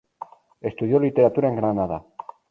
Estudió Literatura en Granada.